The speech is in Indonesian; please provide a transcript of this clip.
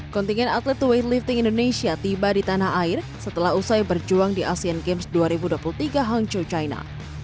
kontingen atlet to way lifting indonesia tiba di tanah air setelah usai berjuang di asean games dua ribu dua puluh tiga hangzhou china